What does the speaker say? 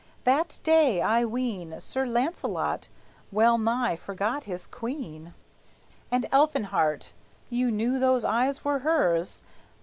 That day, I ween, Sir Launcelot well nigh forgot his queen. And Elfinhart (you knew those eyes were hers!)